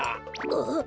あっ。